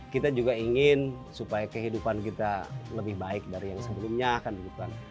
kita juga ingin supaya kehidupan kita lebih baik dari yang sebelumnya kan gitu kan